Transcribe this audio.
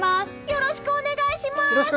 よろしくお願いします！